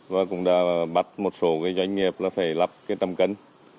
và cũng đã bắt một số cái doanh nghiệp là phải lắp cái tầm cấn